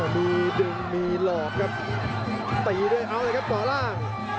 มีดึงมีหลอกครับตีด้วยเอาเลยครับบ่อล่าง